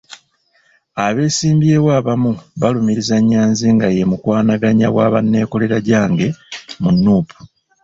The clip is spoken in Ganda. Abeesimbyewo abamu balumiriza Nyanzi nga ye mukwanaganya wa banneekolera gyange mu Nuupu.